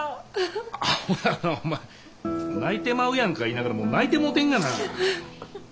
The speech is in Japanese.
アホやなお前泣いてまうやんか言いながらもう泣いてもうてんがな。